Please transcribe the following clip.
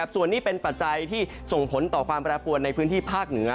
ส่วนนี้เป็นปัจจัยที่ส่งผลต่อความแปรปวนในพื้นที่ภาคเหนือ